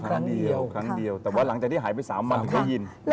ครั้งเดียวครั้งเดียวแต่ว่าหลังจากที่หายไป๓วันได้ยิน